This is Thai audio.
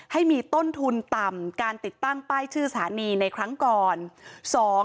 ให้มีต้นทุนต่ำการติดตั้งป้ายชื่อสถานีในครั้งก่อน